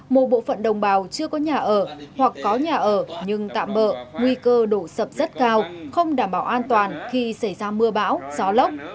một bộ phận đồng bào chưa có nhà ở hoặc có nhà ở nhưng tạm bỡ nguy cơ đổ sập rất cao không đảm bảo an toàn khi xảy ra mưa bão gió lốc